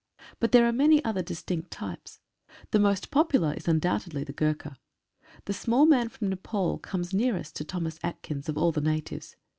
But there are many other distinct types. The most popular is undoubtedly the Gurkha. The small man from Nepaul comes nearest to Thomas Atkins of all the natives.